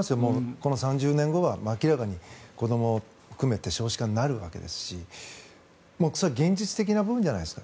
この３０年後は明らかに子どもを含めて少子化になるわけですしそれは現実的な部分じゃないですか。